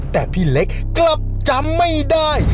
แต่พี่เล็กกลับจำไม่ได้